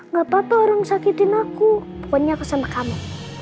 gak apa apa orang sakitin aku pokoknya kesana kamu